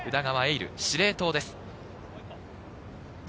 琉、司令塔です。